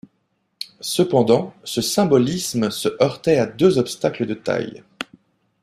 Cependant, ce symbolisme se heurtait à deux obstacles de taille.